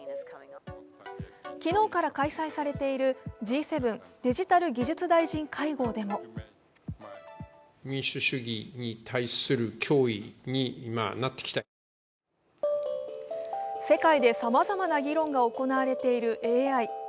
昨日から開催されているＧ７デジタル・技術大臣会合でも世界でさまざまな議論が行われているＡＩ。